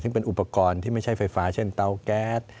ซึ่งเป็นอุปกรณ์ที่ไม่ใช่ไฟฟ้าเช่นเตาแก๊ส